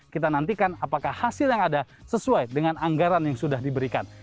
kita nantikan apakah hasil yang ada sesuai dengan anggaran yang sudah diberikan